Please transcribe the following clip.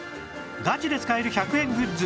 ガチで使える１００円グッズ